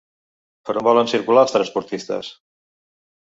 Per on volen circular els transportistes?